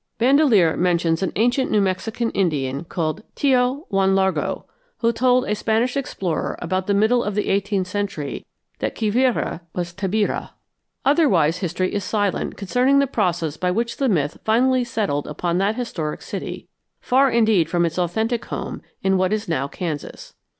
Bandelier mentions an ancient New Mexican Indian called Tio Juan Largo, who told a Spanish explorer about the middle of the eighteenth century that Quivira was Tabirá. Otherwise history is silent concerning the process by which the myth finally settled upon that historic city, far indeed from its authentic home in what now is Kansas.